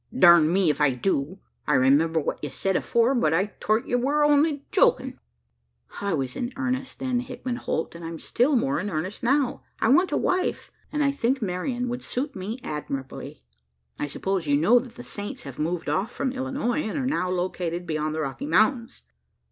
"Durn me, if I do! I remember what ye sayed afore; but I thort ye wur only jokin'." "I was in earnest then, Hickman Holt; and I'm still more in earnest now. I want a wife, and I think Marian would suit me admirably. I suppose you know that the saints have moved off from Illinois, and are now located beyond the Rocky Mountains?"